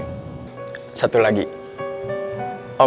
kalau saya minta tolong om untuk selidiki om